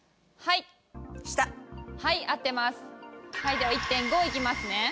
では１．５いきますね。